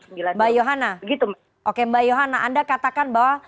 mbak yohana anda katakan bahwa